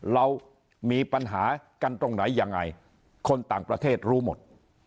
เรามีปัญหากันตรงไหนยังไงคนต่างประเทศรู้หมด